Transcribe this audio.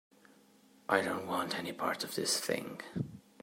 I don't want any part of this thing.